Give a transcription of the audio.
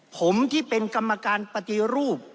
ผมที่เป็นกรรมการปฏิรูป